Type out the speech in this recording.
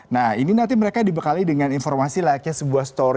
nah ini nanti mereka dibekali dengan informasi layaknya sebuah story